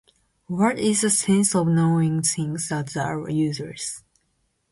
What is the sense of knowing things that are useless?